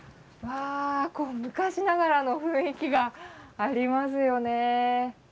昔ながらの雰囲気がありますよね。